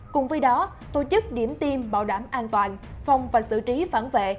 cùng với đó tổ chức điểm tiêm bảo đảm an toàn phòng và xử trí phản vệ